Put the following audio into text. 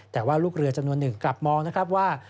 แต่ว่าลูกเรือจำนวนหนึ่งกลับมองนะครับว่า